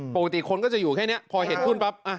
ปกติคนก็จะอยู่แค่นี้พอเห็นขึ้นปั๊บ